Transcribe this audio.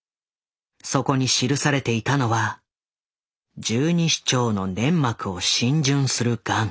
そこに記されていたのは「十二指腸の粘膜を浸潤するガン」。